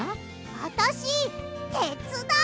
あたしてつだう！